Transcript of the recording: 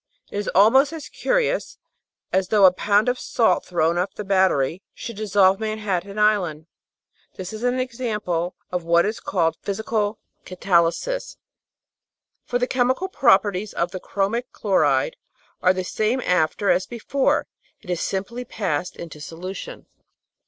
It is almost as curious as though a pound of salt thrown off the Battery should dissolve Manhattan Island. This is an example of what is called physical catalysis, for the chemical properties of the chromic chloride are the same after as before; it has simply passed into solution.